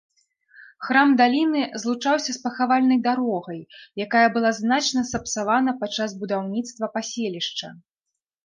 Храм даліны злучаўся з пахавальнай дарогай, якая была значна сапсавана падчас будаўніцтва паселішча.